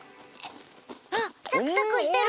あっサクサクしてる！